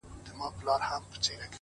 پرمختګ د جرئت او ثبات اولاد دی؛